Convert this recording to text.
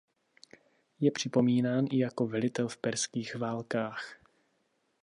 Je připomínán i jako velitel v perských válkách.